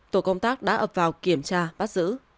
tổ công tác đã ập vào kiểm tra bắt giữ